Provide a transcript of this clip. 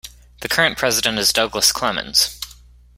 The current president is Douglas Clemens.